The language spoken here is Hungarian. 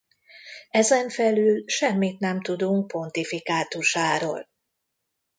Ezen felül semmit nem tudunk pontifikátusáról.